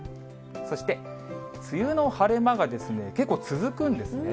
そして、梅雨の晴れ間が結構続くんですね。